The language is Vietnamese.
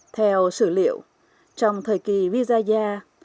theo sử liệu trong thời kỳ visaya